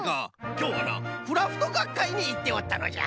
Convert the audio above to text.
きょうはなクラフトがっかいにいっておったのじゃ。